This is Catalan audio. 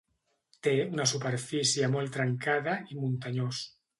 Té una superfície molt trencada i muntanyós.